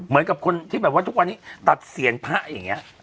เหมือนกับคนที่แบบว่าทุกวันนี้ตัดเสียงพระอย่างนี้